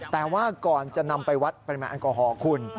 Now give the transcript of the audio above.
แต่ว่าก่อนจะนำไปวัดปริมาณแอลกอฮอล์คุณ